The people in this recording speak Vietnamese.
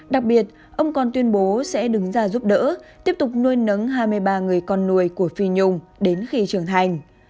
đặc biệt ông còn tuyên bố sẽ đứng ra giúp đỡ tiếp tục nuôi nấng hai mươi ba người con nuôi của phi nhung đến khi trưởng thành